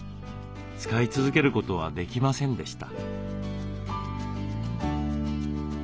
使い続けることはできませんでした。